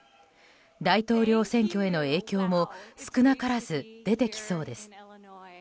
大統領選挙への影響も少なからず出てきそうです。